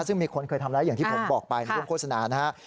ซึ่งมีคนเคยทำได้อย่างที่ผมบอกไปร่วมโฆษณานะฮะ